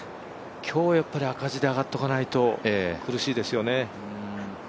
今日、赤字で上がっておかないと厳しいですよね。